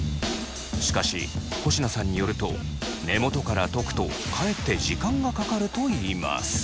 しかし保科さんによると根元からとくとかえって時間がかかるといいます。